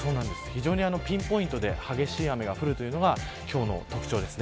非常にピンポイントで激しい雨が降るというのが今日の特徴です。